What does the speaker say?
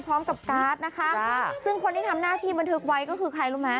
พร้อมกับกราฟนะคะซึ่งคนที่ทำหน้าที่บันทึกไว้ก็คือใครรู้มั้ย